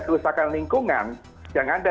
kerusakan lingkungan yang ada